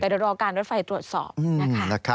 ไปรอดอการรถไฟตรวจสอบนะคะ